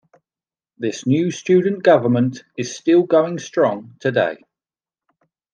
This new Student Government is still going strong today.